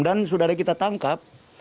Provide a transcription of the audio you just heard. dan sudah ada kita tangkap